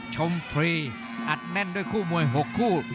ฟรีอัดแน่นด้วยคู่มวย๖คู่